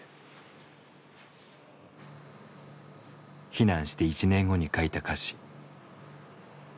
避難して１年後に書いた歌詞。